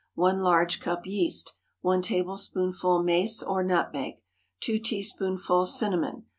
1 large cup yeast. 1 tablespoonful mace or nutmeg. 2 teaspoonfuls cinnamon.